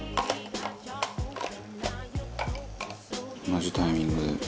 「同じタイミングで」